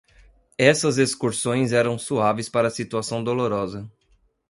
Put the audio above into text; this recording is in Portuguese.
Essas excursões eram suaves para a situação dolorosa.